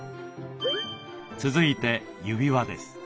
続いて指輪です。